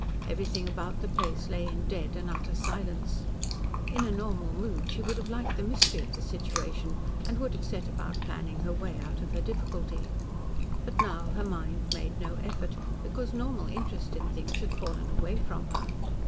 Everything about the place lay in dead and utter silence. In a normal mood she would have liked the mystery of the situation, and would have set about planning her way out of her difficulty. But now her mind made no effort, because normal interest in things had fallen away from her.